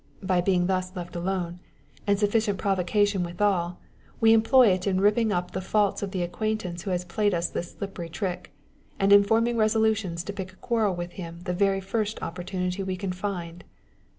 117 (by being thus left alone) and sufficient provocation withal, we employ it in ripping up the faults of the acquaintance who has played us this slippery trick, and in forming resolutions to pick a quarrel with him the very first opportunity we can find.